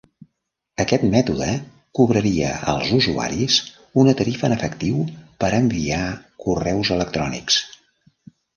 Aquest mètode cobraria als usuaris una tarifa en efectiu per enviar correus electrònics.